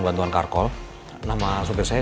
bantuan car call nama sopir saya